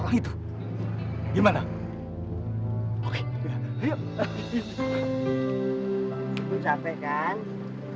betul ini yang diambil